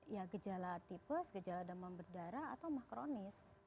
ya gejala tipes gejala demam berdarah atau mahkronis